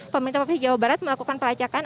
pemerintah provinsi jawa barat melakukan pelacakan